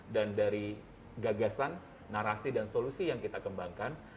dan dari gagasan narasi dan solusi yang kita kembangkan